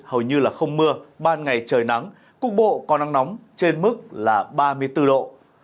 hầu như là không mưa ban ngày trời nắng cục bộ có nắng nóng trên mức là ba mươi bốn độ